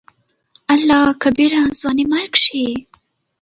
الله کبيره !ځواني مرګ شې.